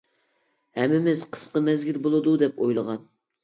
ھەممىمىز قىسقا مەزگىل بولىدۇ دەپ ئويلىغان.